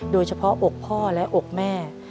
โดยเฉพาะอกพ่อและอกแม่